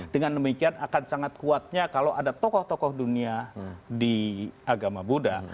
dengan demikian akan sangat kuatnya kalau ada tokoh tokoh dunia di agama buddha